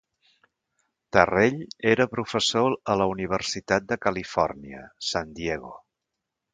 Terrell era professor a la Universitat de Califòrnia, San Diego.